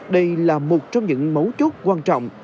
đây là một trong những mấu chốt quan trọng